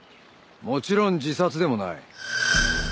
もちろん自殺でもない。